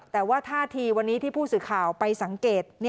แต่ว่าท่าทีวันนี้ที่ผู้สื่อข่าวไปสังเกต